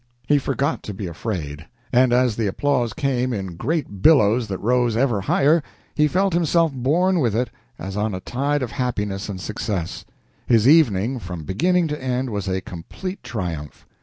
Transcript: He forgot to be afraid, and, as the applause came in great billows that rose ever higher, he felt himself borne with it as on a tide of happiness and success. His evening, from beginning to end, was a complete triumph.